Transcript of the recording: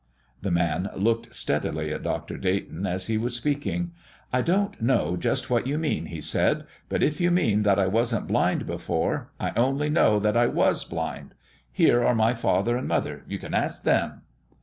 The man looked steadily at Dr. Dayton as he was speaking. "I don't know just what you mean," he said, "but if you mean that I wasn't blind before, I only know that I was blind. Here are my father and mother you can ask them."